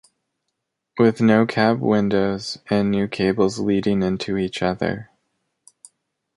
With no cab windows and new cables leading into each other.